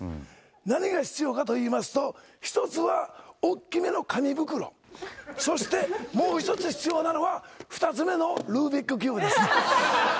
何が必要かといいますと、１つはおっきめの紙袋、そしてもう１つ必要なのは、２つ目のルービックキューブです。